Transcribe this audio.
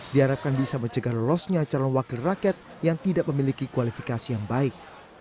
diharapkan bisa mencegah lolosnya calon wakil rakyat yang tidak memiliki kualifikasi yang baik